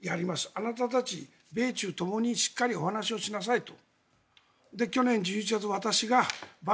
あなたたち、米中ともにしっかりお話をしなさいと。